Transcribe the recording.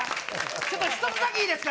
ちょっと１つだけいいですか？